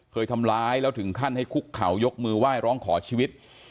เคยทำร้ายแล้วถึงขั้นให้คุกเขายกมือไหว้ร้องขอชีวิต